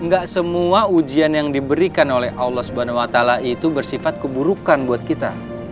gak semua ujian yang diberikan oleh allah swt itu bersifat keburukan buat kita